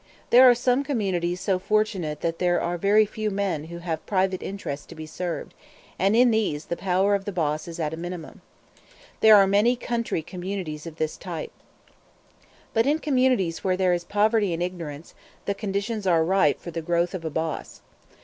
There are some communities so fortunate that there are very few men who have private interests to be served, and in these the power of the boss is at a minimum. There are many country communities of this type. But in communities where there is poverty and ignorance, the conditions are ripe for the growth of a boss.